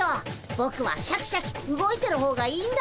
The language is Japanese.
ぼくはシャキシャキ動いてる方がいいんだ。